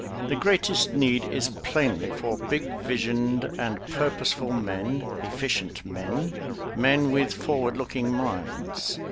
The greatest need is plainly for big visioned and purposeful men, efficient men, men with forward looking minds.